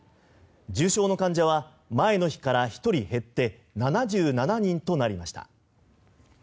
重症の患者は前の日から１人減って７７人となりました。